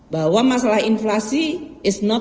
bahwa masalah inflasi is not on the market